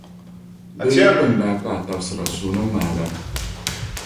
Bɛ yi pinda a ka a tabisira, sua ni ti ŋmaag’ a.